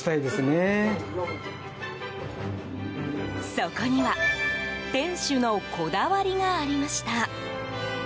そこには店主のこだわりがありました。